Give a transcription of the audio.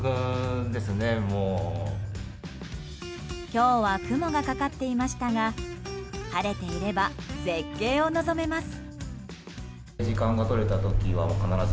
今日は雲がかかっていましたが晴れていれば絶景を望めます。